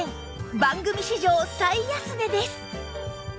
番組史上最安値です